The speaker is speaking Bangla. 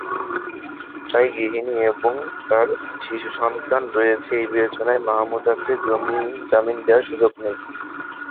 তাই গৃহিণী এবং তাঁর শিশুসন্তান রয়েছে—এই বিবেচনায় মাহমুদাকে জামিন দেওয়ার সুযোগ নেই।